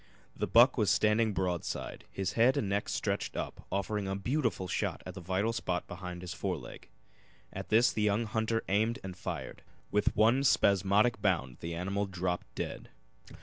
The buck was standing broadside, his head and neck stretched up, offering a beautiful shot at the vital spot behind his fore leg. At this the young hunter aimed and fired. With one spasmodic bound the animal dropped dead.